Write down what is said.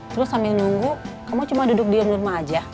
terus sambil nunggu kamu cuma duduk di rumah aja